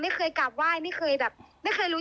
ไม่เคยกลับไหว้ไม่เคยแบบไม่เคยรู้